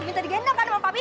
minta digendong pada mam papi